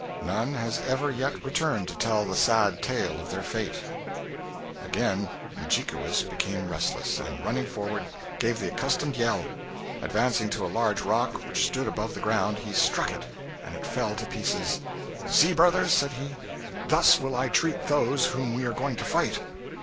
None has ever yet returned to tell the sad tale of their fate.' Again Mudjikewis became restless, and, running forward, gave the accustomed yell. Advancing to a large rock which stood above the ground, he struck it, and it fell to pieces. 'See, brothers,' said he, 'thus will I treat those whom we are going to fight.'